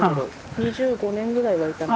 ２５年ぐらいはいたのかな。